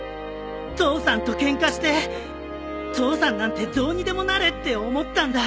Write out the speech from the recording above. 父さんとケンカして父さんなんてどうにでもなれって思ったんだ。